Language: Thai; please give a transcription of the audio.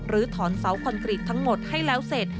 หรือถอนเสาคอนกรีตทั้งหมดให้แล้วเสร็จ